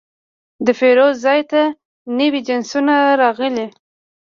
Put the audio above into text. د پیرود ځای ته نوي جنسونه راغلي.